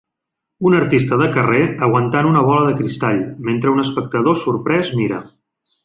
Un artista de carrer aguantant una bola de cristall, mentre un espectador sorprès mira.